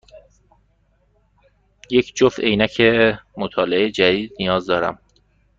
یک جفت عینک مطالعه جدید نیاز دارم.